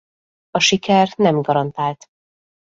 A siker nem garantált.